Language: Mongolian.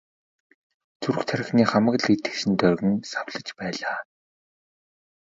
Зүрх тархины хамаг л эд эс нь доргин савлаж байлаа.